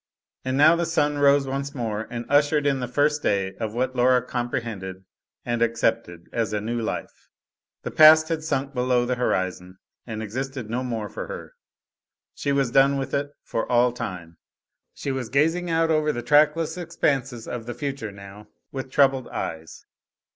And now the sun rose once more and ushered in the first day of what Laura comprehended and accepted as a new life. The past had sunk below the horizon, and existed no more for her; she was done with it for all time. She was gazing out over the trackless expanses of the future, now, with troubled eyes.